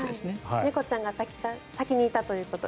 猫ちゃんが先にいたということで。